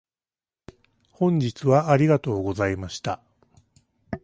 本日はありがとうございました。